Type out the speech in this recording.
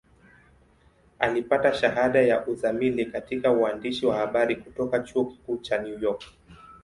Alipata shahada ya uzamili katika uandishi wa habari kutoka Chuo Kikuu cha New York.